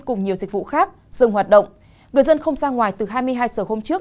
cùng nhiều dịch vụ khác dừng hoạt động người dân không ra ngoài từ hai mươi hai giờ hôm trước